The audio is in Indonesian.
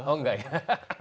oh nggak ya